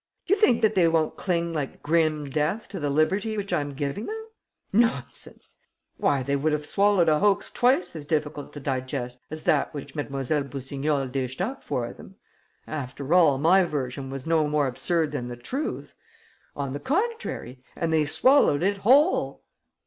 Do you think that they won't cling like grim death to the liberty which I'm giving them? Nonsense! Why, they would have swallowed a hoax twice as difficult to digest as that which Mlle. Boussignol dished up for them! After all, my version was no more absurd than the truth. On the contrary. And they swallowed it whole!